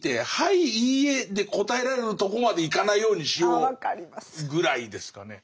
いいえで答えられるとこまでいかないようにしようぐらいですかね。